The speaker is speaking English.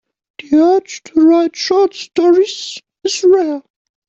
The urge to write short stories is rare.